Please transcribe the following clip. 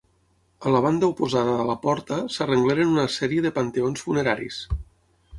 A la banda oposada a la porta s'arrengleren una sèrie de panteons funeraris.